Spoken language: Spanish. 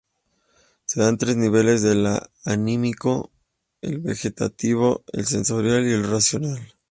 Se dan tres niveles de lo anímico: el vegetativo, el sensorial y el racional.